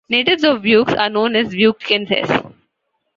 Natives of Vieques are known as Viequenses.